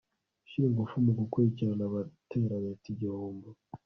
gushyira ingufu mu gukurikirana abatera leta igihombo